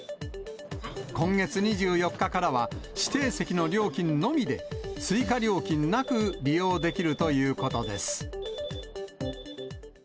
今月２４日からは、指定席の料金のみで追加料金なく利用できるということです。